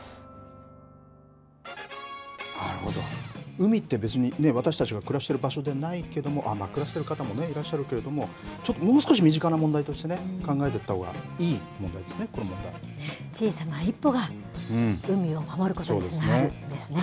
海って別にね、私たちが暮らしてる場所でないけれども、暮らしてる方もいらっしゃるけれども、ちょっと、もう少し身近な問題として考えていったほうがいい問題ですね、こ小さな一歩が海を守ることにつながるんですね。